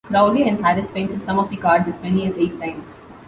Crowley and Harris painted some of the cards as many as eight times.